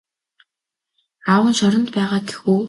Аав нь шоронд байгаа гэх үү?